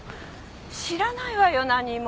知らないわよ何も。